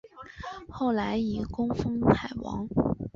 后来以功封偕王。